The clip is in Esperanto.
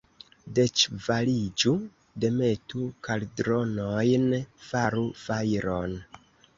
Deĉevaliĝu, demetu kaldronojn, faru fajron!